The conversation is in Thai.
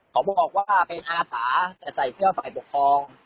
เขาบอกว่าเป็นอาสาแต่ใส่เสื้อฝ่ายปกครอง